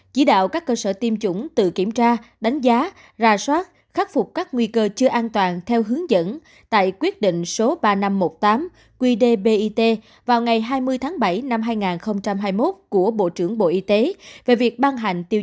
chỉ đạo các cơ sở tiêm chủng tự kiểm tra đánh giá ra soát khắc phục các nguy cơ chưa an toàn theo hướng dẫn tại quyết định số ba nghìn năm trăm một mươi tám quy đề bit vào ngày hai mươi tháng bảy năm hai nghìn hai mươi một